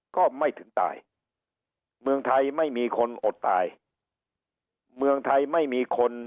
ก็ไม่ถึงตายเมืองไทยไม่มีคนอดตายเมืองไทยไม่มีคน